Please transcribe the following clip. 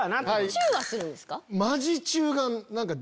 チューはするんですか？